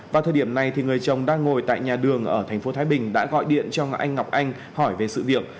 vào thời điểm này người chồng đang ngồi tại nhà đường ở tp thái bình đã gọi điện cho anh ngọc anh hỏi về sự việc